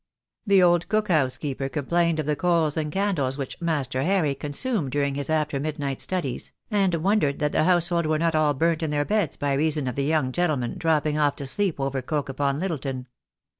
The old cook house keeper complained of the coals and candles which "Master Harry" consumed during his after midnight studies, and wondered that the household were not all burnt in their beds by reason of the young gentleman dropping off to sleep over Coke upon Littleton.